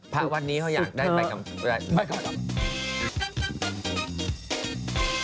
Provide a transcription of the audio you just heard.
พระอันนี้ก็อยากได้ไปกับไม่ครบ